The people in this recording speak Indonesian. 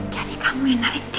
jadi kamu yang narik dewi